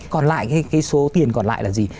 còn lại cái số tiền còn lại là gì